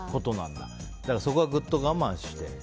だから、そこはぐっと我慢して。